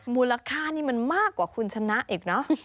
มูลค่านี่มันมากกว่าคุณชนะอีกเนอะ